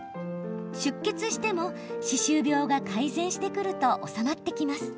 出血しても、歯周病が改善してくると治まってきます。